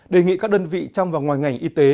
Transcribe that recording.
đề nghị các đơn vị trong và ngoài ngành y tế